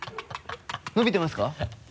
伸びてますか？